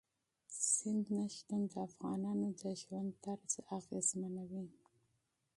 سمندر نه شتون د افغانانو د ژوند طرز اغېزمنوي.